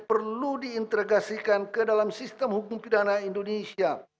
perlu diintegrasikan ke dalam sistem hukum pidana indonesia